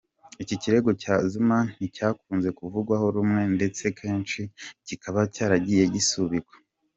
Iki kirego cya Zuma nticyakunze kuvugwaho rumwe ndetse kenshi kikaba cyaragiye gisubikwa.